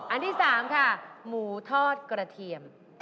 อันที่๓ค่ะหมูทอดกระเทียม